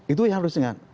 itu yang harus diingat